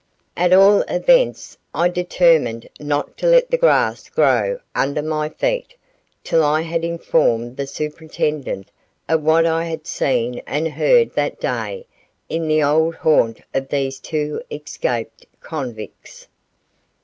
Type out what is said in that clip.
At all events I determined not to let the grass grow under my feet till I had informed the Superintendent of what I had seen and heard that day in the old haunt of these two escaped convicts.